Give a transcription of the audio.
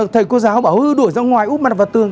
thầy cô giáo bảo đuổi ra ngoài úp mặt vào tường